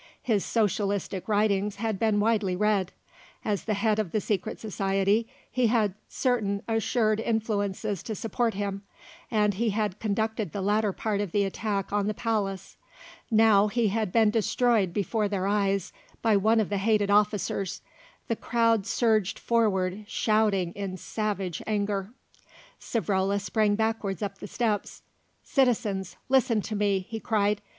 His socialistic writings had been widely read; as the head of the Secret Society he had certain assured influences to support him, and he had conducted the latter part of the attack on the palace. Now he had been destroyed before their eyes by one of the hated officers. The crowd surged forward shouting in savage anger. Savrola sprang backwards up the steps. "Citizens, listen to me!" he cried.